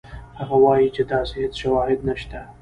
هغه وایي چې داسې هېڅ شواهد نشته.